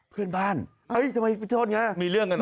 เพื่อนบ้านเอ้ยทำไมโทษไงมีเรื่องกันเห